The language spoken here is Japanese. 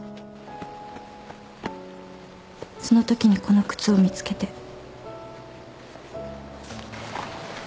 そのときにこの靴を見つけて。